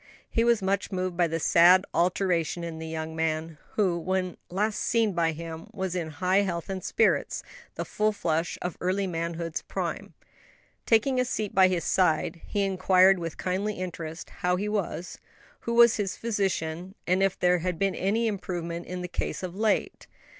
He was much moved by the sad alteration in the young man, who, when last seen by him, was in high health and spirits the full flush of early manhood's prime. Taking a seat by his side, he inquired with kindly interest how he was, who was his physician, and if there had been any improvement in the case of late.